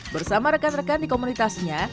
bersama rekan rekan di komunitasnya